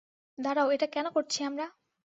দাঁড়াও, এটা কেন করছি আমরা?